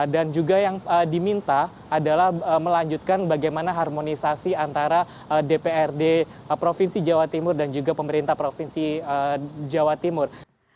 dan juga yang diminta adalah melanjutkan bagaimana harmonisasi antara dprd provinsi jawa timur dan juga pemerintah provinsi jawa timur